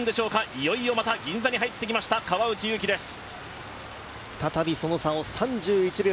いよいよまた銀座に入ってきました川内優輝です。